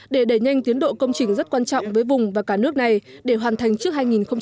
để đẩy nhanh tiến độ công trình rất quan trọng với vùng và cả nước này để hoàn thành trước hai nghìn hai mươi